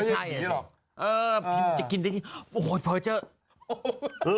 เออจะกินได้ทีโอ้โฮเผลอเจ้า